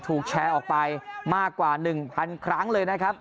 ถูกแชร์ออกไปมากกว่า๑๐๐ครั้งเลยนะครับ